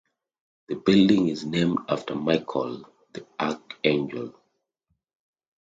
The building is named after Michael the Archangel.